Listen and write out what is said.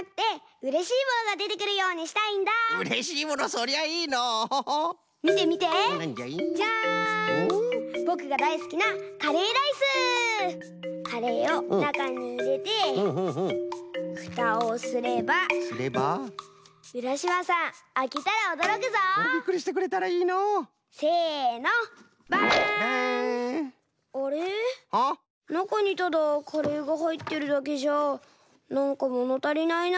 なかにただカレーがはいってるだけじゃなんかものたりないな。